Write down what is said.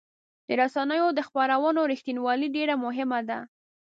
د رسنیو د خبرونو رښتینولي ډېر مهمه ده.